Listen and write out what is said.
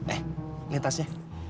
eh ini tasnya